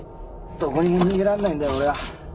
どこにも逃げらんないんだよ俺は。